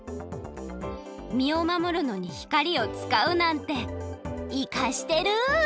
みをまもるのに光をつかうなんていかしてる！